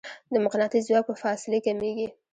د مقناطیس ځواک په فاصلې کمېږي.